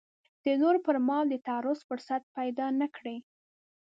د نورو پر مال د تعرض فرصت پیدا نه کړي.